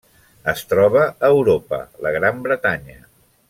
Es troba a Europa: la Gran Bretanya.